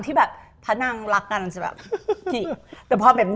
เพราะถ้านั่งรักกันจะแบบ